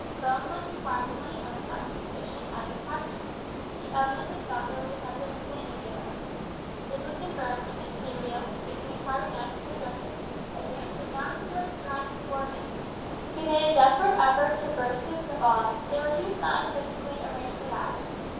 Bones looked inquiringly and with some suspicion at his captor. He evidently thought there was a touch of insanity about her. This was confirmed when Miss Stivergill, seizing a carving knife from the dresser, advanced with masculine strides towards him. He made a desperate effort to burst his bonds, but they were too scientifically arranged for that.